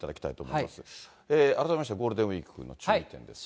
改めまして、ゴールデンウィークの注意点ですが。